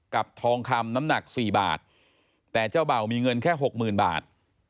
กับทองคำน้ำหนัก๔บาทแต่เจ้าเบามีเงินแค่๖๐๐๐๐บาท